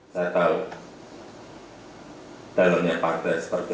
saya tahu dalamnya partai seperti apa saja